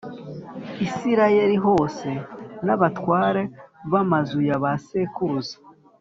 Isirayeli hose n abatware b amazu ya ba sekuruza